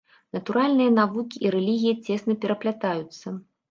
Натуральныя навукі і рэлігія цесна пераплятаюцца.